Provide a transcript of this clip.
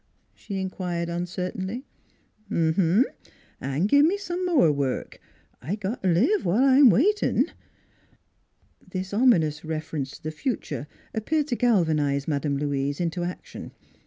she inquired uncertainly. 11 Uh huh, an' give me some more work; I got t' live whilst I'm waitinY' This ominous reference to the future appeared to galvanize Madame Louise into action.